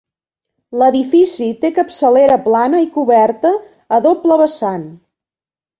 L'edifici té capçalera plana i coberta a doble vessant.